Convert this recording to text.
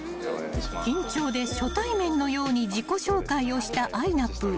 ［緊張で初対面のように自己紹介をしたあいなぷぅ］